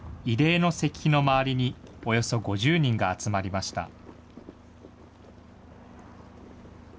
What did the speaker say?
慰霊の石碑の周りに、およそ５０人が集まりました。